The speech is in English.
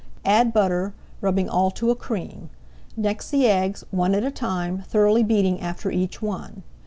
Add butter, rubbing all to a cream; next the eggs, one at a time, thoroughly beating after each one.